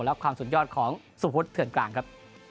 และความสุดยอดของสุพุทธเถื่อนกลางครับ